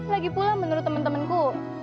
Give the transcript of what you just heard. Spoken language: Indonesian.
lagipula menurut temen temenku